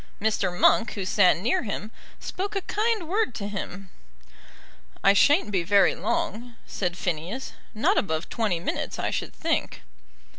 Mr. Monk, who sat near him, spoke a kind word to him. "I shan't be very long," said Phineas; "not above twenty minutes, I should think."